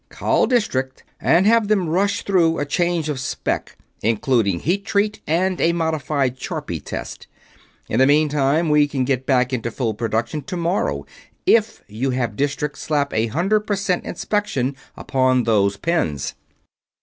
Call District and have them rush through a change of spec include heat treat and a modified Charpy test. In the meantime, we can get back into full production tomorrow if you have District slap a hundred per cent inspection onto those pins."